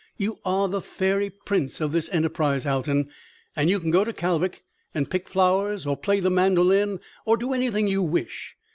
"You are the fairy prince of this enterprise, Alton, and you can go to Kalvik and pick flowers or play the mandolin or do anything you wish.